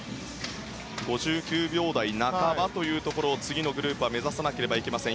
５９秒代半ばというところを次のグループは目指さなければいけません。